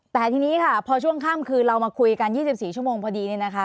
แต่ทีนี้ค่ะพอช่วงค่ำคือเรามาคุยกัน๒๔ชั่วโมงพอดีเนี่ยนะคะ